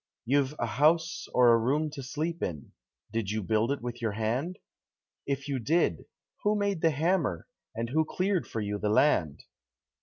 You've a house or room to sleep in did you build it with your hand? If you did, who made the hammer and who cleared for you the land?